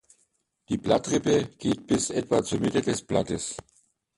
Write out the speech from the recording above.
Die Blattrippe geht bis etwa zur Mitte des Blattes.